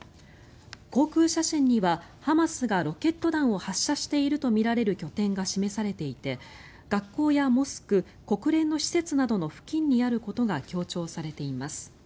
航空写真にはハマスがロケット弾を発射しているとみられる拠点が示されていて学校やモスク国連の施設などの付近にあることが強調されています。